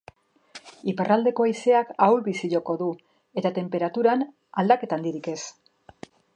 Iparraldeko haizeak ahul-bizi joko du eta tenperaturan aldaketa handirik ez.